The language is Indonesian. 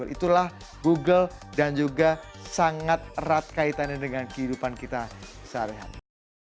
itulah google dan juga sangat erat kaitannya dengan kehidupan kita sehari hari